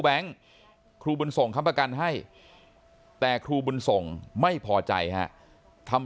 ครูบุญส่งค้ำประกันให้แต่ครูบุญส่งไม่พอใจฮะทำ